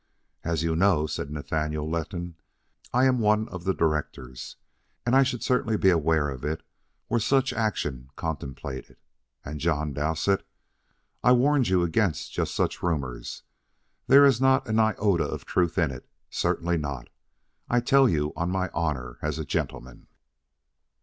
"As you know," said Nathaniel Letton, "I am one of the directors, and I should certainly be aware of it were such action contemplated." And John Dowsett: "I warned you against just such rumors. There is not an iota of truth in it certainly not. I tell you on my honor as a gentleman."